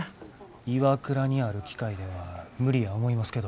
ＩＷＡＫＵＲＡにある機械では無理や思いますけど。